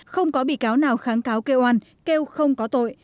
không có bị cáo nào kháng cáo kêu an kêu không có tội